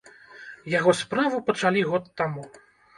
Яго справу пачалі год таму.